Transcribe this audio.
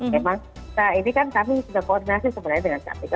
memang ini kan kami sudah koordinasi sebenarnya dengan kpk